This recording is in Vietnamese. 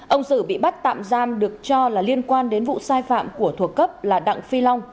ông sử bị bắt tạm giam được cho là liên quan đến vụ sai phạm của thuộc cấp là đặng phi long